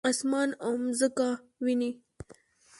اسمان او مځکه وینې؟